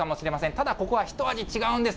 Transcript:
ただ、ここは一味違うんです。